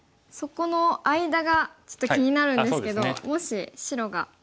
そこの間がちょっと気になるんですけどもし白が。